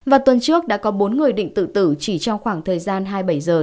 và tuần trước đã có bốn người định tự tử chỉ trong khoảng thời gian hai mươi bảy giờ